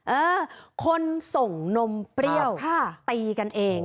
เออคนส่งนมเปรี้ยวตีกันเอง